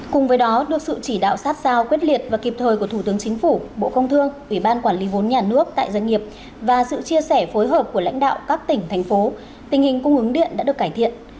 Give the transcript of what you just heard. cùng với đó được sự chỉ đạo sát sao quyết liệt và kịp thời của thủ tướng chính phủ bộ công thương ủy ban quản lý vốn nhà nước tại doanh nghiệp và sự chia sẻ phối hợp của lãnh đạo các tỉnh thành phố tình hình cung ứng điện đã được cải thiện